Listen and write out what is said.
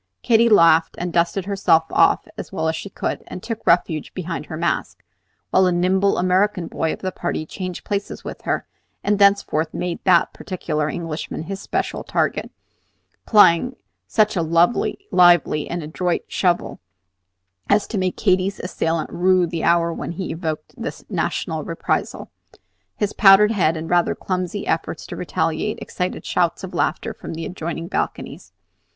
Katy laughed, and dusted herself as well as she could, and took refuge behind her mask; while a nimble American boy of the party changed places with her, and thenceforward made that particular Englishman his special target, plying such a lively and adroit shovel as to make Katy's assailant rue the hour when he evoked this national reprisal. His powdered head and rather clumsy efforts to retaliate excited shouts of laughter from the adjoining balconies.